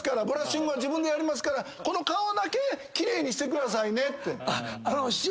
ブラッシングは自分でやりますからこの顔だけ奇麗にしてくださいねって。